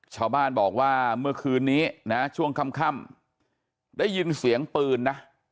ชาวบ้านบอกว่าเมื่อคืนนี้นะช่วงค่ำได้ยินเสียงปืนนะ